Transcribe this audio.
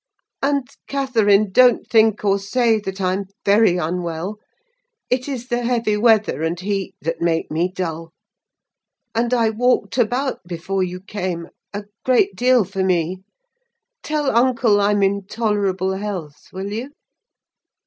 "And, Catherine, don't think or say that I'm very unwell: it is the heavy weather and heat that make me dull; and I walked about, before you came, a great deal for me. Tell uncle I'm in tolerable health, will you?"